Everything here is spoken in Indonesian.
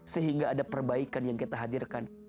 sehingga ada perbaikan yang kita hadirkan